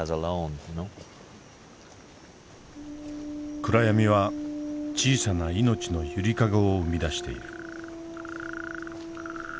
暗闇は小さな命の揺りかごを生み出している。